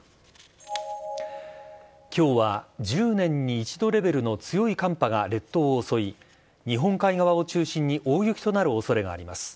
きょうは１０年に一度レベルの強い寒波が列島を襲い、日本海側を中心に大雪となるおそれがあります。